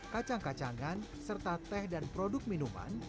kacang kacangan serta teh dan produk minuman